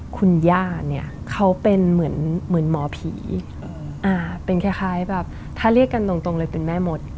คุณย่าเนี้ยเขาเป็นเหมือนเหมือนหมอผีอ่าเป็นคล้ายคล้ายแบบถ้าเรียกกันตรงตรงเลยเป็นแม่มด